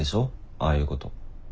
ああいうこと。